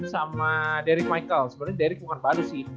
sama derek michael sebenernya derek bukan baru sih